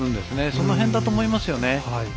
その辺だと思いますよね。